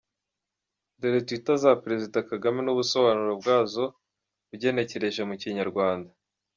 Dore twitter za Perezida Kagame n’ubusobanuro bwazo ugenekereje mu kinyarwanda :